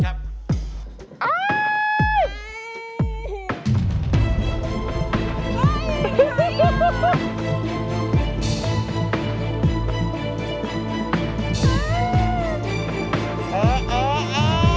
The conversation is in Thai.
อ้าาบ้านไปด้วย